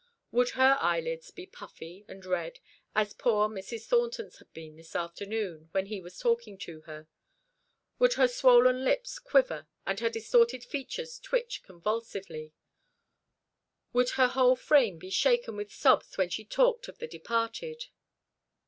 Would her eyelids be puffy and red as poor Mrs. Thornton's had been this afternoon, when he was talking to her? Would her swollen lips quiver, and her distorted features twitch convulsively? Would her whole frame be shaken with sobs when she talked of the departed?